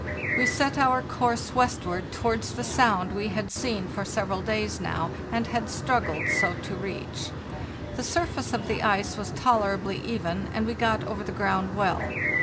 We set our course westward towards the sound we had seen for several days now, and had struggled so to reach. The surface of the ice was tolerably even and we got over the ground well.